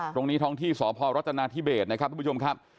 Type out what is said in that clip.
ท้องที่สพรัฐนาธิเบสนะครับทุกผู้ชมครับ